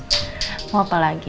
like lamang bantengnya